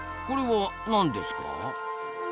これは何ですか？